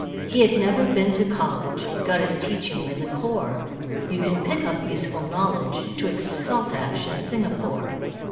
He had never been to college, Got his teaching in the corps, You can pick up useful knowledge 'Twixt Saltash and Singapore.